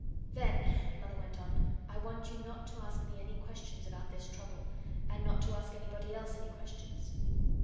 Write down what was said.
"Then," Mother went on, "I want you not to ask me any questions about this trouble; and not to ask anybody else any questions."